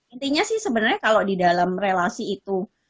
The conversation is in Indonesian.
intinya sih sebenarnya kalau di dalam relasi itu